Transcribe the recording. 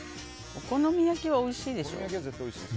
お好み焼きはおいしいでしょう。